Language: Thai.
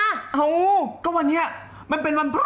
เอ้าก็วันนี้มันเป็นวันพระ